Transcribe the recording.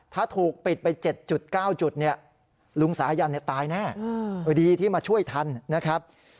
ถ้าถูกปิดไป๗๙จุดเนี่ยลุงสายันตายแน่ดีที่มาช่วยทันนะครับ